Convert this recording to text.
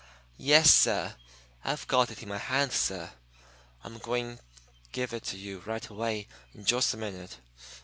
"Yes, suh; I got it in my hand, suh. I'm gwine give it to you right away in jus' a minute.